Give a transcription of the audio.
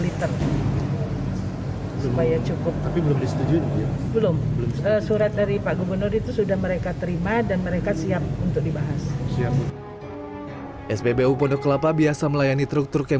mereka terima dan mereka siap untuk dibahas spbu pondok kelapa biasa melayani truk truk yang